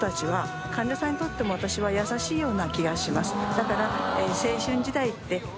だから。